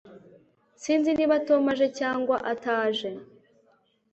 Sinzi niba Tom aje cyangwa ataje